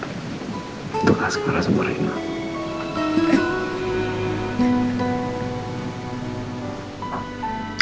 untuk askara seumur hidup